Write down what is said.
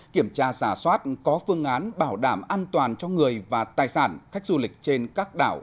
kiểm tra giả soát có phương án bảo đảm an toàn cho người và tài sản khách du lịch trên các đảo